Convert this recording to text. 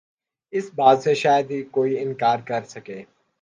اس بات سے شاید ہی کوئی انکار کرسکے